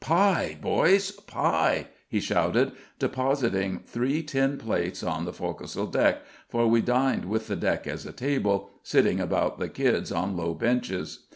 "Pie, boys! Pie!" he shouted, depositing three tin plates on the fo'c'sle deck, for we dined with the deck as a table, sitting about the kids on low benches.